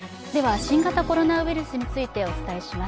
新型コロナウイルスについてお伝えします。